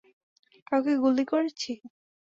কাউকে গুলি করেছি?